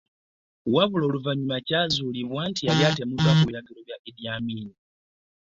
Wabula oluvannyuma kyazuulibwa nti yali atemuddwa ku biragiro bya Idi Amin.